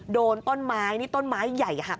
โดนต้นไม้นี่ต้นไม้ใหญ่หัก